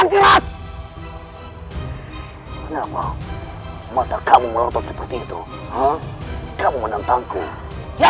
yang terakhir kenapa mata kamu melotot seperti itu kamu menentangku ya